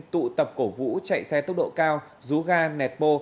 tụ tập cổ vũ chạy xe tốc độ cao rú ga nẹt bô